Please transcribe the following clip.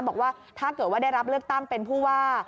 บอกว่าถ้าเกิดว่าได้รับเลือกตั้งเป็นผู้ว่า